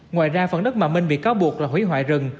ngoài ra phần đất mà minh bị cáo buộc là hủy hoại rừng